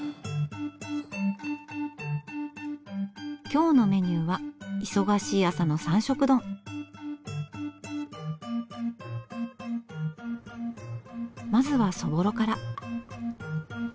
今日のメニューはまずはそぼろから。